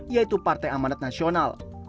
yaitu partai amanat nasional